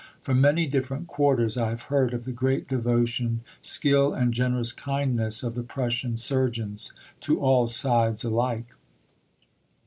From many different quarters I have heard of the great devotion, skill and generous kindness of the Prussian surgeons to all sides alike....